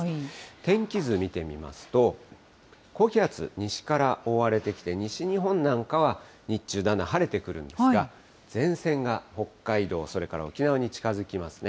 天気図見てみますと、高気圧、西から覆われてきて、西日本なんかは日中、だんだん晴れてくるんですが、前線が北海道、それから沖縄に近づきますね。